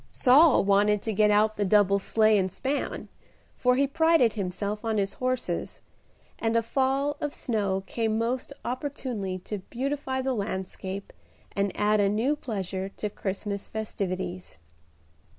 Saul wanted to get out the double sleigh and span, for he prided himself on his horses, and a fall of snow came most opportunely to beautify the landscape and add a new pleasure to Christmas festivities.